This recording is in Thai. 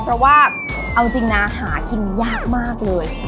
เพราะว่าเอาจริงนะหากินยากมากเลย